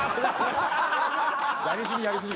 やり過ぎやり過ぎ。